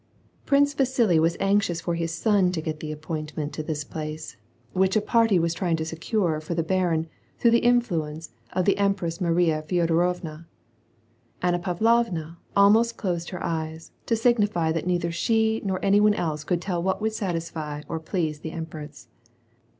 ♦ Prince Vasili was anxious for his son to get the appoint ment to this place, which a party was trying to secure for the baron through the influence of the Empress Maria Feodo rovna. Anna Pavlovna almost closed her eyes, to signify that neither she nor any one else could tell what would satisfy or please the empress.